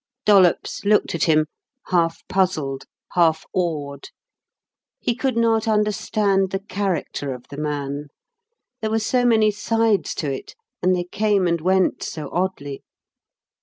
Dollops looked at him half puzzled, half awed. He could not understand the character of the man: there were so many sides to it; and they came and went so oddly.